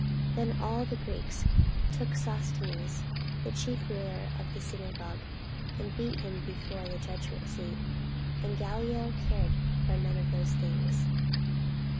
44:018:017 Then all the Greeks took Sosthenes, the chief ruler of the synagogue, and beat him before the judgment seat. And Gallio cared for none of those things.